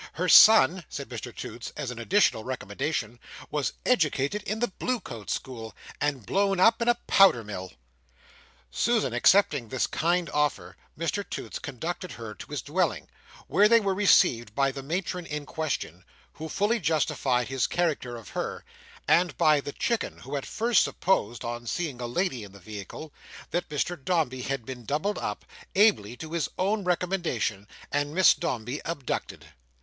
Her son," said Mr Toots, as an additional recommendation, "was educated in the Bluecoat School, and blown up in a powder mill." Susan accepting this kind offer, Mr Toots conducted her to his dwelling, where they were received by the Matron in question who fully justified his character of her, and by the Chicken who at first supposed, on seeing a lady in the vehicle, that Mr Dombey had been doubled up, agreeably to his old recommendation, and Miss Dombey abducted.